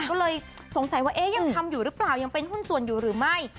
ก็เลยสงสัยว่ายังทำอยู่หรือเปล่ายังเป็นหุ้นส่วนอยู่หรือไม่